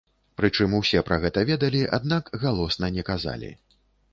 Прычым усе пра гэта ведалі, аднак галосна не казалі.